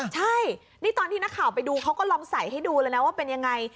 ใช่นี่ตอนที่นักข่าวไปดูเขาก็ลองใส่ให้ดูเลยนะว่าเป็นยังไง